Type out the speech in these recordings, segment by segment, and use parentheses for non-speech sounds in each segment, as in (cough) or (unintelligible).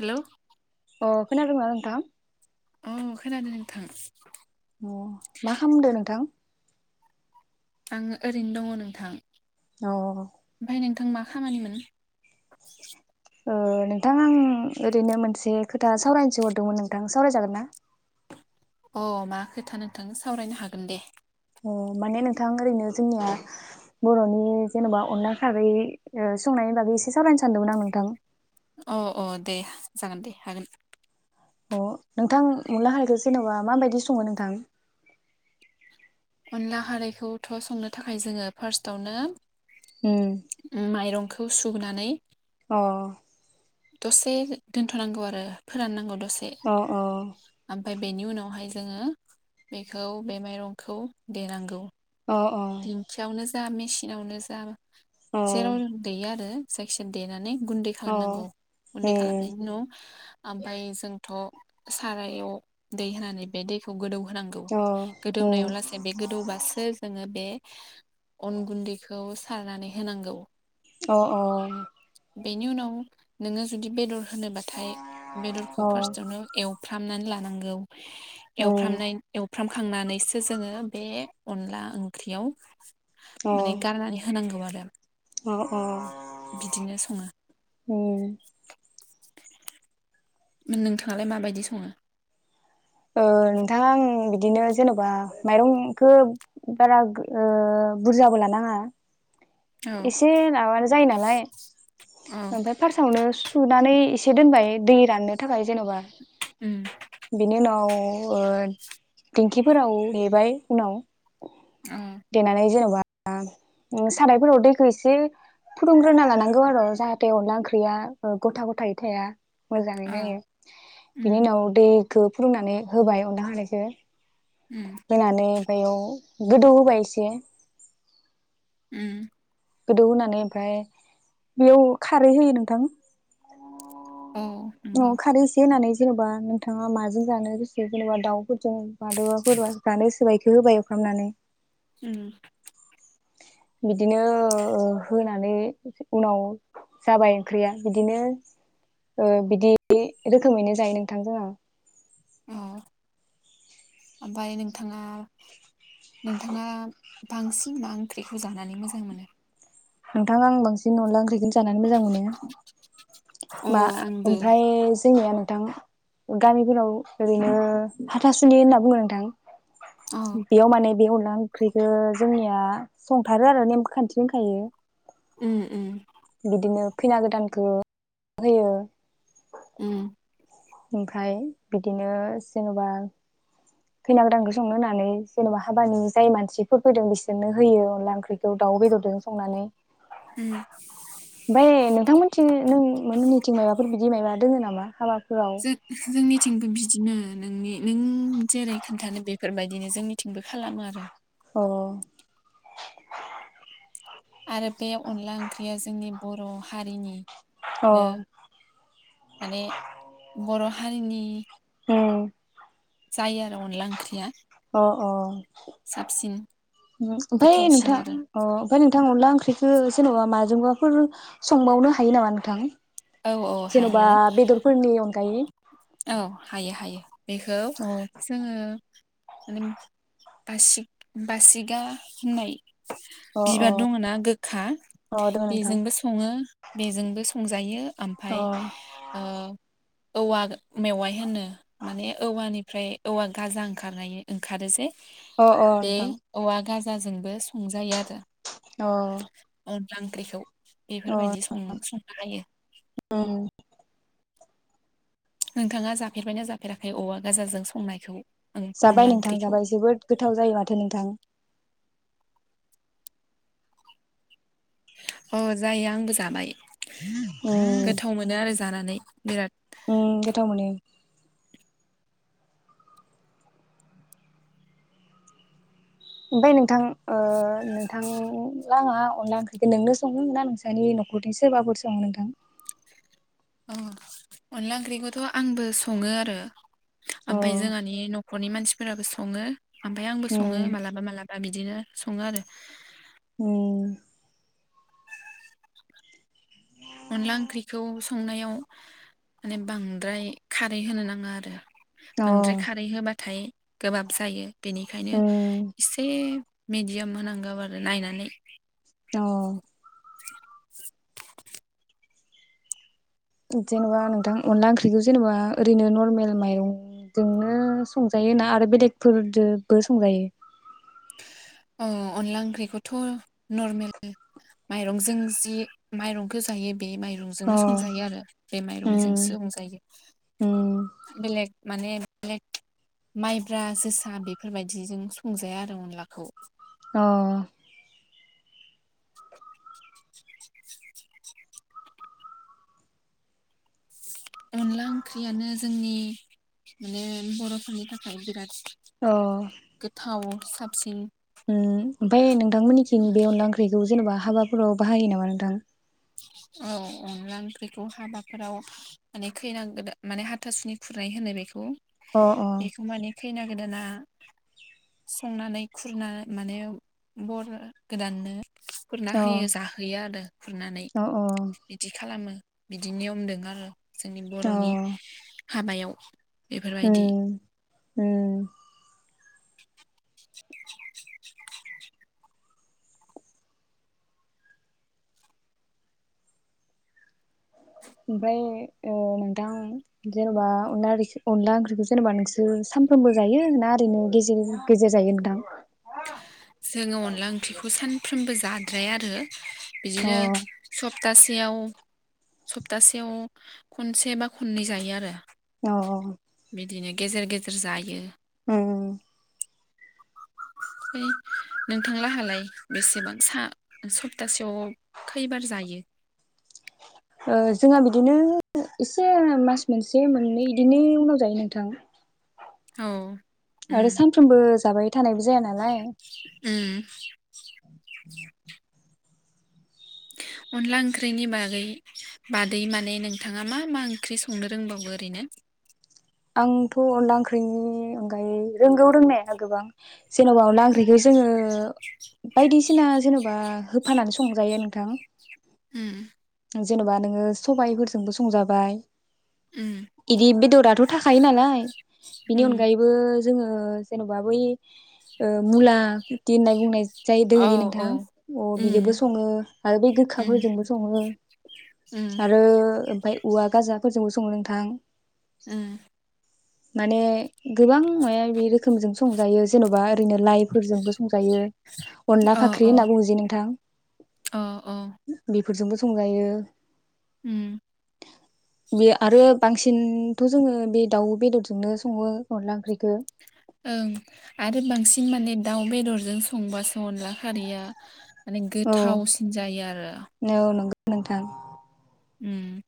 हेल अ खोनादोंना नोंथां? औ खोनादों नोंथां अ मा खालामदो नोंथां? आङो ओरैनो दङ नोंथां अ ओमफ्राय नोंथां मा खामानि मोन? ओ नोंथां आं ओरैनो मोनसे खोथा सावरायनोसो हरदोंमोन नोंथां सावरायजागोन ना? अ मा खोथा नोंथांनो सावरायनो हागोन दे अ माने नोंथां ओरैनो जोंनिया बरनि जेनबा अनला खारै ओ संनायनि बागै एसे सावायनो सानदोंमोन आं नोंथां अ अ दे जागोन दे हागोन अ नोंथां अनला खारैखौ जेनबा माबायदि सङो नोंथां? अनला खारैखौथ संनो थाखाय जोङो फार्स्टावनो उम ओम माइरं खौ सुनानै अ दसे दोनथनांगौ आरो फोराननांगौ द अ अ ओमफ्राय बेनि उनावहाय जोङो बेखौ बे माइरंखौ देनांगौ अ अ दिंखियावनो जा मेचिनावनो जा जेराव देयो आरो जायखिया देनानानै गुन्दै अ खालामनांगौ गुन्दै उम खालामनायनि उनाव ओमफ्राय जोंथ सारायाव दै होनानै बे दैखौ गोदौ होनांगौ गोदौनायाव लासै बे गोदौबासो जोङो बे अन गुन्दैखौ सारनानै होनांगौ अ अ बेनि उनाव नोङो जुदि बेदर होनोबाथाय बेदरखौ फारस्ट आवनो एवफ्राम नानै लानांगौ। उम एवफ्रामनाय एव एवफ्रामखांनानैसो जोङो बे अनला ओंख्रि ख्रियाव माने अ गारनानै होनांगौ आरो (unintelligible) अ अ बिदिनो सङो उम नोंथाङालाय माबायदि सङो ओ नोंथाङा आं बिदिनो जेनबा माइरंखौ बारा ओ बुरजाबो लानाङा औ एसे माबानो जायो नालाय औ ओमफ्राय फार्सआवनो सुनानै एसे दोनबाय दै राननो थाखाय जेनबा उम बेनि उनाव- अ दिंखिफोराव देबाय उनाव औ देनानै जेनबा (unintelligible) साराय फोराव दैखौ एसे फुदुंग्रोना लानांगौ आरो जाहाथे अनला ओंख्रिया गथा-गथायै थाया मोजाङै औ जायो बिनि उम उनाव दै खौ फोदुंनानै होबाय अनला खारैखो। उम होनानै। बेयाव गोदौ होबाय एसे। उम। गोदौ होनानै ओमफ्राय बेयाव खारै होयो नोंथां। औ औ नंगौ खारै एसे होनानै। जेनबा नोंथाङा माजों जानो गोसो जेनबा दाउ फोरजों (unintelligible) जानो गोसो बादि। होबाय एवफ्रामनानै। उम। बिदिनो होनानै उनाव जाबाय ओंख्रिया बिदिनो ओ बिदि रोखोमैनो जायो नोंथां जोङो। औ ओमफ्राय नोंथाङा? नोंथाङा? बांसिन मा ओंख्रिखौ जानानै मोजां मोनो? नोंथां आं बांसिन अनला ओंख्रिखौनो जानानै मोजां मोनो। अ मा आंबो ओमफ्राय जोंनिया नोंथां गामिफोराव ओरैनो हाथासुनि होनना बुङो नोंथां। उम बियाव माने बिह अनला ओंख्रिखौ जोंनिया संथारो आरो नेम खान्थि दंखायो। उम उम। बिदिनो खैना गोदानखौ होयो। उम। ओमफ्राय बिदिनो जेनबा खैना गोदानखौ संनो होनानै जेनबा हाबानि जाय मानसिफोर फैदों बिसोरनो होयो अनला ओंख्रिखौ दाउ बेदरजों संनानै। उम ओमफाय नोंथांमोनथि नों (inaudible) थिं माबाफोर बिदि माबा दङ नामा हाबाब। जों जोंनिथिंबो बिदिनो। नोंनि। नों जेरै खोनथानो बे फोरबायदिनो जोंनिथिंबो खालामो आरो। अ। आरो बे अनला ओंख्रिया जोंनि बर' हारिनि अ माने बर' हारिनि। उम। जायो आरो अनला ओंख्रिया। अ अ साबसिन उम ओमफाय गोथावसिन नोंथां आरो अ ओमफाय नोंथां अनला ओंख्रिखो जेनबा माजोंबाफोर संबावनो हायो नामा नोंथां? औ औ हायो जेनबा बेदरफोरनि अनगायै औ हायो हायो बेखौ अ जोङो (inaudible) बासिग बासिगा होननाय अ अ बिबार दङ ना गोखा अ दङ नोंथां बेजोंबो सङो बेजोंबो संजायो अ ओमफाय औवा मेवाइ होनो माने औवानिफ्राय औवा गाजा ओंखारनाय ओंखारो जे अ अ बे नोंथां औवा गाज जाजोंबो संजायो आरो। अ अनला ओंख्रिखौ। अ बेफोरबायदि सं संनो हायो। उम नोंथाङा जाफेरबायना जाफेराखै औवा गाजों संनायखौ? ओं अनला जाबाय नोंथां ओंख्रिखौ जाबाय जोबोद गोथाव जायो माथो नोंथां। औ जायो आंबो जाबाय। उम गोथाव मोनो आरो जानानै बिराद उम गोथाव मोनो। ओमफाय नोंथां ओ नोंथांलांङा अनला ओंख्रिखौ नोंनो सङो ना नोंसानि नखरनि सोरबाफोर सङो नोंथां? अ अनला ओंख्रिखौथ' आंबो सङो आरो। अ ओमफाय जोंहानि न' न'खरनि मानसिफोराबो सङो आमफाय आंबो सङो उम मालाबा मालाब बा बिदिनो सङो आरो। उम अनला ओंख्रिखौ संनायाव माने बांद्राय खारै होनो नाङा आरो। अ बांद्राय खारै होबाथाय गोबाब जायो। बेनिखायनो उम इसे मेडि याम होनांगौ आरो नायनानै अ (inaudible) जेनबा नोंथां अनला ओंख्रिखौ जेनेबा ओरैनो नरमेल माइरंजोंनो संजायो ना आरो बेलेगफोरजोबो संजायो? अ अनला ओंख्रिखौथ' नरमेल माइरंजों जि माइरंखौ जायो बे अ माइरंजोंनो संजायो आरो बे माइरंजोंसो उम संजायो उम बेलेग माने (unintelligible) माइब्रा जोसा बेफोरबायदिजों संजाया आरो अनलाखौ। (inaudible) अ (inaudible) अनला ओंख्रियानो जोंनि माने बरफोरनि थाखाय बिराद अ गोथाव साबसिन उम ओमफाय नों थां मोननिथिं उम बे अनला ओख्रिखौ जेनबा हाबाब फ्राव बाहायो नामा नोंथां? औ अनला ओंख्रिखौ हाबाफ्राव माने खैना गोदा माने हाथासुनि खुरनाय होनो बेखौ। अ बेखौ माने खैना गोदाना संनानै खुरना माने बर गोदाननो खुरना अ होयो जाहोयो आरो। खुरना अ बिदि खालामो। बिदि नियम दों आरो। जोंनि बरनि अ हाबायाव उम बेफोरबायदि उम ओमफाय ओ नोंथां जेनबा अनला रोसि अनला ओंख्रिखौ जेनेबा नोंसोर सानफ्रोमबो जायो ना ओरैनो गेजेर गेजेर जायो नोंथां जोङो अनला ओंख्रिखौ सानफ्रोमबो जाद द्राया आरो अ बिदिनो सब सप्तासेयाव सप्तासेयाव खनसे बा खननै जायो आरो। औ औ बिदिनो गेजेर गेजेर जायो। औ औ (inaudible) है नोंथांलाहालाय बेसेबां सा सप्तासेयाव खैबार जायो औ जोंहा बिदिनो एसे मास मोनसे मोननै बिदिनि उनाव जायो नोंथां। औ उम आरो सानफ्रोमबो जाबाय थानायबो जाया नालाय उम अनला ओंख्रिनि बागै बादै माने नोंथाङा मा मा ओंख्रि संनो रोंबावो ओरैनो। आंथ अनला ओंख्रिनि अनगायै रोंगौ रोंनाया गोबां जेनबा अनला ओंख्रिखौ जोङो बायदिसिना जेनबा होफानानै संजायो नोंथां उम जेनेबा नोङो सबायफोरजोंबो संजाबाय उम एदि बेदराथ थाखायो नालाय। बिनि उम अनगायैबो जोङो जेनबा बै औ मुला द हुननाय बुंनाय जाय औ दोहनि औ नोंथाङा अ उम बिजोंबो सङो आरो बि उम गोखाफोरजोंबो सङो उम आरो ओमफ्राय औवा गाजाफोरजोंबो सङो नोंथां उम माने गोबां माया मायबि रोखोमजों संजायो जेनबा ओरैनो लाइफोरजोंबो संजायो। अनला फाख्रि होनना बुङोजे नोंथां। ओ ओ। फोरजोंबो संजायो। उम। बे आरो बांसिनथ जोङो बे दाउ बेदरजोंनो सङो अनला ओंख्रिखौ। ओं आरो बांसिन माने दाउ बेदरजों संबासो अनला खारिया माने औ गोथावसिन जायो आरो। औ नंगौ नोंथां। उम।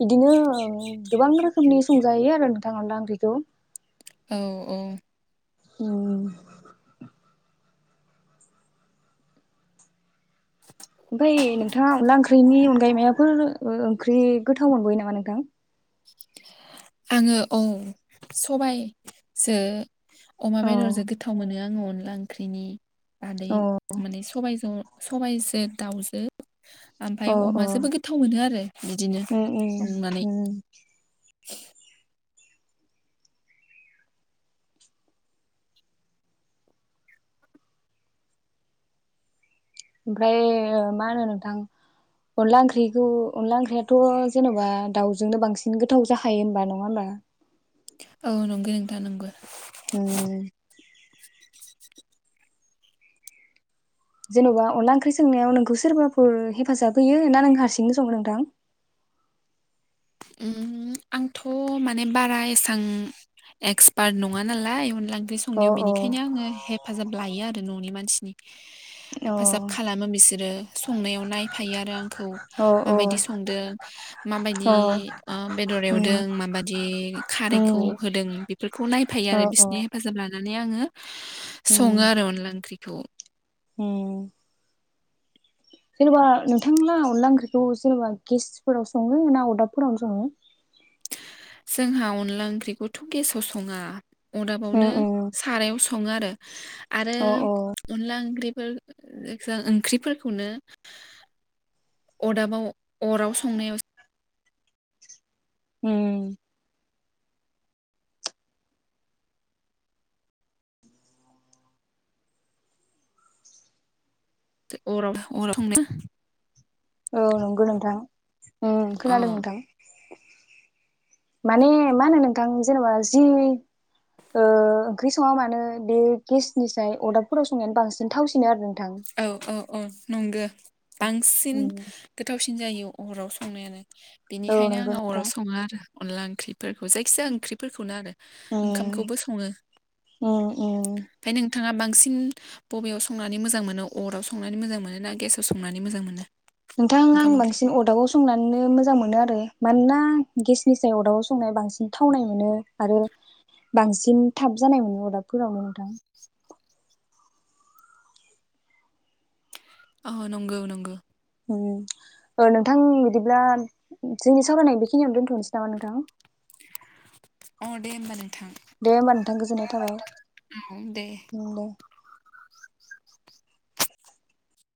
बिदिनो गोबां रोखोमनि संजायो आरो नोंथां अनला ओंख्रिखौ। औ औ। ओम। ओमफ्राय नोंथाङा अनला ओंख्रिनि अनगायै मायाफोर ओंख्रि गोथाव मोनबोयो नामा नोंथां? आङो औ सबायजो अमा औ बेदरजों गोथाव मोनो। आङ अनला ओंख्रिनि आदै औ माने सबाय ज साबायजो दाउजो। ओमफाय औ औ अमाजोबो गोथाव मोनो आरो बिदिनो उम उम संनानै। उम (unintelligible) ओमफ्राय ओ मा होनो नोंथां अनला ओंख्रिखौ अनला ओंख्रियाथ जेनबा दाउजोंनो बांसिन गोथाव जाखायो होनबा नङा होमबा। ओउ नंगो नोथां नंगौ। उम। (inaudible) जेनबा अनला ओंख्रि सोंनायाव नोंखौ सोरबाफोर हेफाजाब होयो होनना नों हारसिंनो सङो नोंथां? आंथ माने बारा एसां एक्सपार्ट नङा नालाय अनला ओं ओंख्रि अ संनायाव अ बेनिखायनो आङो हेफाजाब लायो आरो ननि मानसिनि। अ हेफाजाब खालामो बिसोरो संनायाव नायफायो आरो आंखौ अ माबायदि संदों अ माबायदि ओ बेदर एवदों उम माबादि खारैखौ उम होदों बेफोरखौ नायफायो अ आरो अ बिसिनि हेफाजाब लाना नानै आङो उम सङो आरो अनला ओंख्रि थौ उम। जेनेबा नोंथां लाहा अनला ओंख्रिखौ जेनेबा गेसफोराव सङो ना अरदाबफोरावनो सङो? जोंहा अनला ओंख्रिखौथ गेसाव सङा। उम अदाबावनो उम सारायाव सङो आरो। (inaudible) आरो अ अ अनला बिफोर जों ओंख्रिफोरखौनो अरदाबाव अराव संनायाव उम (unintelligible) औ नंगौ नोंथां। उम औ खोनादों नोंथां। माने मा होनो नोंथां जेनेबा जि ओ ओंख्रि सङा मानो बे गेसनिसाय अरदाबफोराव संनायानो बांसिन थावसिनो आरो नोंथां। औ औ औ नंगो। बांसिन गोथाव फिन जायो अराव संनायानो। औ बेनिखायनो नंगौ आङो अराव नोंथां। सङा आरो अनला ओंख्रि फोरखौ जायखिजाया ओंख्रिफोरखौनो आरो उम ओंखामखौबो सङो उम उम ओमफाय नों नोंथाङा बांसिन बबेयाव संनानै मोजां मोनो? अराव संनानै मोजां मोनो ना गेसाव संनानै मोजां मोनो? नोंथां ओंखाम आं ओंख्रिखौ बांसिन अरदाबाव संनानैनो मोजां मोनो आरो। मानोना गेसनिसाय अरदाबाव संनाय बांसिन थावनाय मोनो आरो बांसिन थाब जानाय मोनो अरदाबफोरावनो नोंथां। आ नंगौ नंगौ। नोंथां बिदिब्ला जोंनि सावरायनाय बेखिनियावनो दोनथनोसै नामा नोंथां? अ दे होमबा दे। दे होमबा नोंथां गोजोननाय थाबाय औ दे उ दे।